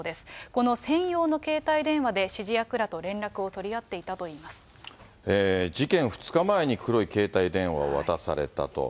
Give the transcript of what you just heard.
この専用の携帯電話で、指示役らと連絡を取り合っていたといいま事件２日前に黒い携帯電話を渡されたと。